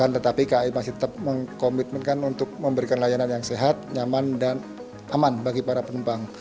tetapi kai masih tetap mengkomitmenkan untuk memberikan layanan yang sehat nyaman dan aman bagi para penumpang